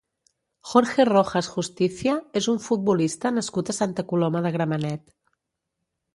Jorge Rojas Justicia és un futbolista nascut a Santa Coloma de Gramenet.